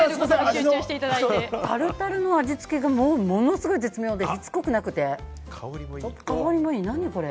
タルタルの味付けがもうものすごく絶妙で、しつこくなくて、香りもいい、何これ！